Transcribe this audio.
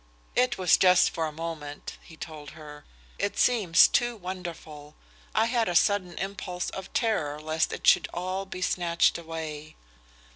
"It was just for a moment," he told her. "It seems too wonderful. I had a sudden impulse of terror lest it should all be snatched away."